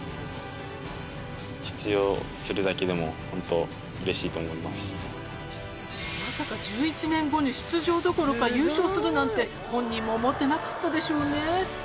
今から１２年前にまさか１１年後に出場どころか優勝するなんて本人も思ってなかったでしょうね